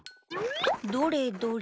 どれどれ？